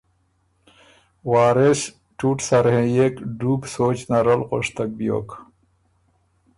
وارث ټُوټ سر هېنيېک ډُوب سوچ نر ال غؤشتک بیوک،